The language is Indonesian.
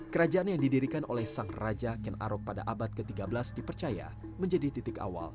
kerajaan yang didirikan oleh sang raja ken arok pada abad ke tiga belas dipercaya menjadi titik awal